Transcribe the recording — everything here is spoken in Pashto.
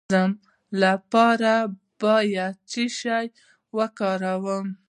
د هضم لپاره باید څه شی وکاروم؟